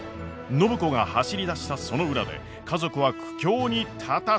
暢子が走りだしたその裏で家族は苦境に立たされていた！？